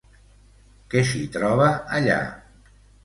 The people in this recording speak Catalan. Què s'hi troba allà?